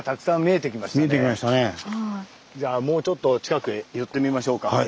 じゃあもうちょっと近くへ寄ってみましょうか。